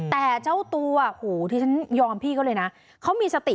แต่เจ้าตัวโหที่ฉันยอมพี่เขาเลยนะเขามีสติ